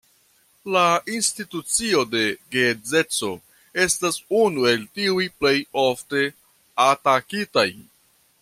La institucio de geedzeco estas unu el tiuj plej ofte atakitaj.